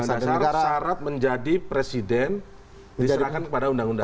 dalam undang undang dasar sarat menjadi presiden diserahkan kepada undang undang